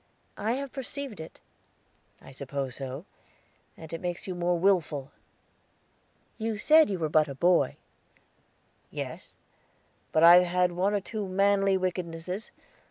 "I have perceived it." "I suppose so, and it makes you more willful." "You said you were but a boy." "Yes, but I have had one or two manly wickednesses.